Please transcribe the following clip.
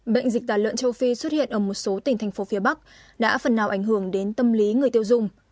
bệnh dịch tả lợn châu phi xuất hiện ở một số tỉnh thành phố phía bắc đã phần nào ảnh hưởng đến tâm lý người tiêu dùng